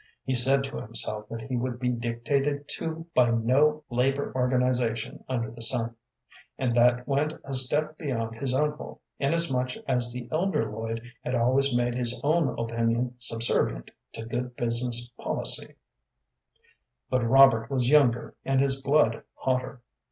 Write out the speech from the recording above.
He said to himself that he would be dictated to by no labor organization under the sun, and that went a step beyond his uncle, inasmuch as the elder Lloyd had always made his own opinion subservient to good business policy; but Robert was younger and his blood hotter.